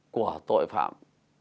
của tội phạm